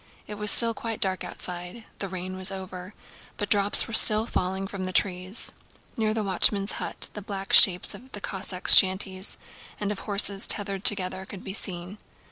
It was still quite dark outside. The rain was over, but drops were still falling from the trees. Near the watchman's hut the black shapes of the Cossacks' shanties and of horses tethered together could be seen.